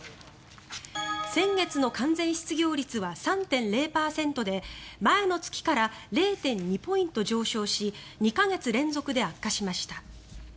先月の完全失業率は３．０％で前の月から０．２ポイント上昇し２か月連続で悪化しました。